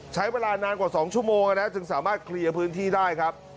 ใช้เวลานานกว่า๒ชั่วโมงจึงสามารถเคลียร์พื้นที่ได้ครับ